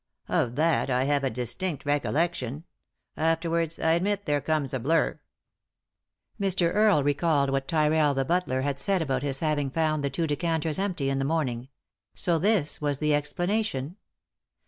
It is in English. Of that I have a distinct recollection. Afterwards, I admit, there comes a blur." Mr. Earle recalled what Tyrrell, the butler, had said about his having found the two decanters empty in the morning. So this was the explanation